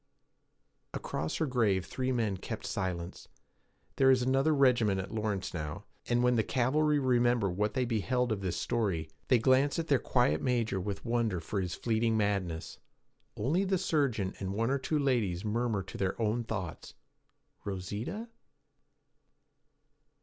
Across her grave three men kept silence. There is another regiment at Lawrence now, and when the th Cavalry remember what they beheld of this story, they glance at their quiet major with wonder for his fleeting madness. Only the surgeon and one or two ladies murmur to their own thoughts, 'Rosita?'